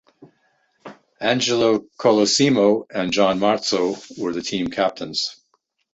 Angelo Colosimo and John Marzo were the team captains.